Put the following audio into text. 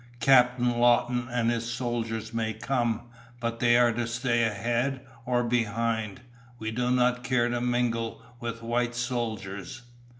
"Captain Lawton and his soldiers may come, but they are to stay ahead or behind. We do not care to mingle with white soldiers."